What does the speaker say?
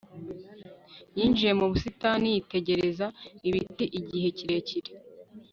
yinjiye mu busitani yitegereza ibiti igihe kirekire